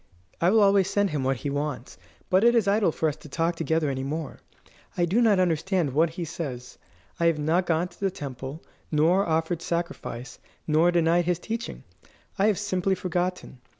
I will always send him what he wants, but it is idle for us to talk together any more. I do not understand what he says. I have not gone to the temple, nor offered sacrifice, nor denied his teaching. I have simply forgotten.